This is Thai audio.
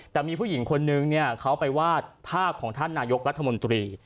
แต่มีผู้หญิงคนนึงเขาไปวาดภาพของท่านนายกรัฐมนตรี